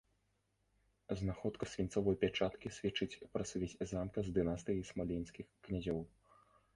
Знаходка свінцовай пячаткі сведчыць пра сувязь замка з дынастыяй смаленскіх князёў.